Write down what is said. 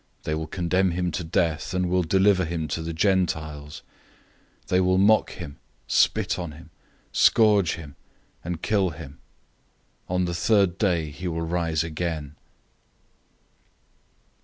They will condemn him to death, and will deliver him to the Gentiles. 010:034 They will mock him, spit on him, scourge him, and kill him. On the third day he will rise again."